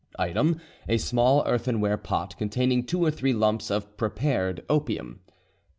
"Item, a small earthenware pot containing two or three lumps of prepared opium.